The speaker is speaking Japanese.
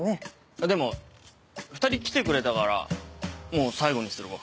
あっでも２人来てくれたからもう最後にするわ。